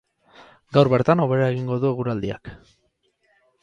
Gaur bertan hobera egingo du eguraldiak.